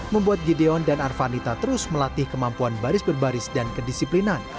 membuat gideon dan arvanita terus melatih kemampuan baris berbaris dan kedisiplinan